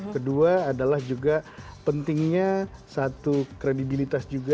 kedua adalah juga pentingnya satu kredibilitas juga